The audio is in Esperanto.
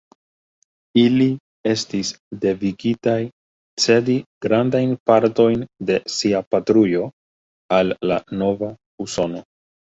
Ili estis devigitaj cedi grandajn partojn de sia patrujo al la nova Usono.